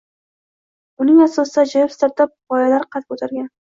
Uning asosida ajoyib startap g’oyalar qad ko’targan